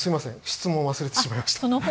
質問を忘れてしまいました。